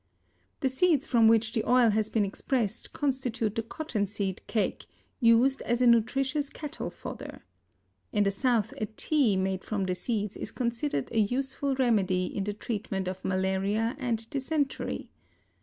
The seeds from which the oil has been expressed constitute the cottonseed cake, used as a nutritious cattle fodder. In the South a tea made from the seeds is considered a useful remedy in the treatment of malaria and dysentery.